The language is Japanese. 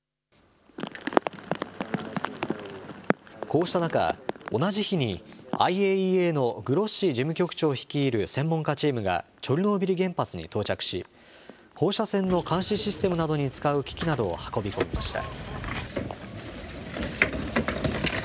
こうした中、同じ日にＩＡＥＡのグロッシ事務局長率いる専門家チームがチョルノービリ原発に到着し放射線の監視システムなどに使う機器などを運び込みました。